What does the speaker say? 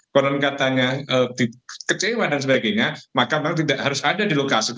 konon katanya kecewa dan sebagainya maka memang tidak harus ada di lokasi